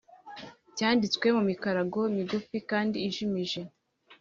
cyanditswe mu mikarago migufi kandi ijimije,